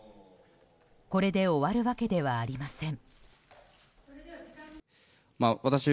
これで終わるわけではありません。